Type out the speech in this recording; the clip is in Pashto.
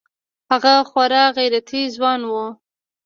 هغه خورا غيرتي ځوان و.